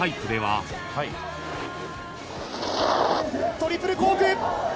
トリプルコーク！